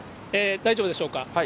大丈夫でしょうか。